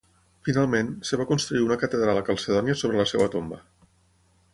Finalment, es va construir una catedral a Calcedònia sobre la seva tomba.